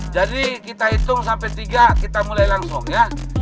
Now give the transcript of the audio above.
jadi kita hitung sampai tiga kita mulai langsung ya